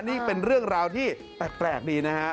นี่เป็นเรื่องราวที่แปลกดีนะฮะ